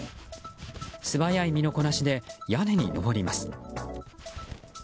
素早い身のこなしで屋根に登ります。